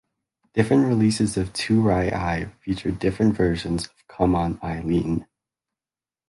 Different releases of "Too-Rye-Ay" featured different versions of "Come On Eileen.